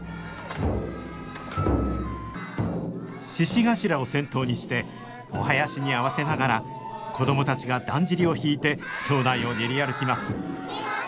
獅子頭を先頭にしてお囃子に合わせながら子供たちがだんじりを引いて町内を練り歩きます